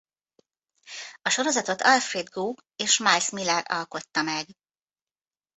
A sorozatot Alfred Gough és Miles Millar alkotta meg.